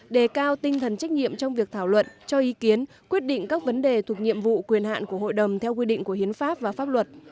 đề cao tinh thần trách nhiệm trong việc thảo luận cho ý kiến quyết định các vấn đề thuộc nhiệm vụ quyền hạn của hội đồng theo quy định của hiến pháp và pháp luật